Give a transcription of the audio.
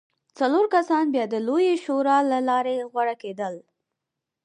څلور کسان بیا د لویې شورا له لارې غوره کېدل